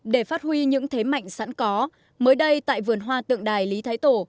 để phát huy những thế mạnh sẵn có mới đây tại vườn hoa tượng đài lý thái tổ